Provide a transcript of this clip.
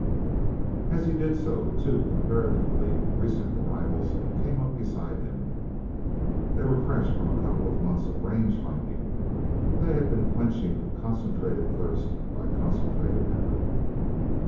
As he did so two comparatively recent arrivals came up beside him. They were fresh from a couple of months of range finding, and they had been quenching a concentrated thirst by concentrated effort.